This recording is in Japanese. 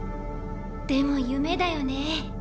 でも夢だよね。